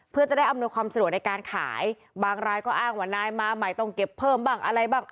เพื่อจะได้อำนวยความสะดวกในการขายบางรายก็อ้างว่านายมาใหม่ต้องเก็บเพิ่มบ้างอะไรบ้าง